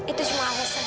itu cuma alasan